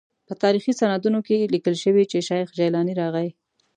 په تاریخي سندونو کې لیکل شوي چې شیخ جیلاني راغی.